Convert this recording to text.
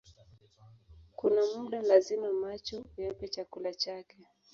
Kuna muda lazima macho uyape chakula chake